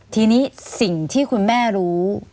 ทีนี้สิ่งที่คุณแม่รู้